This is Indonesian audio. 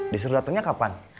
disuruh datennya kapan